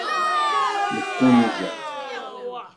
Neffunzer.